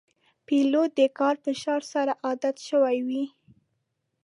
پیلوټ د کاري فشار سره عادت شوی وي.